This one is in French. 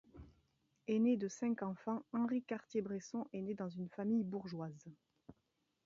Aîné de cinq enfants, Henri Cartier-Bresson est né dans une famille bourgeoise.